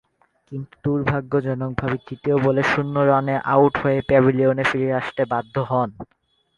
কিন্তু দূর্ভাগ্যজনকভাবে তৃতীয় বলে শূন্য রানে আউট হয়ে প্যাভিলিয়নে ফিরে আসতে বাধ্য হন।